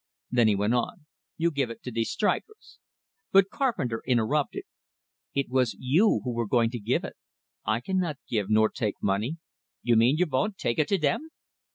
Then he went on: "You give it to de strikers " But Carpenter interrupted: "It was you who were going to give it. I cannot give nor take money." "You mean you von't take it to dem?"